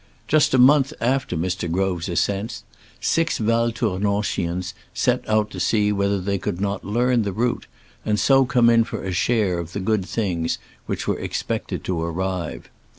Just a month after Mr. Grove's ascent, six Val Toumanchians set out to see whether they could not learn the route, and so come in for a share of the good things which were expected to arrive.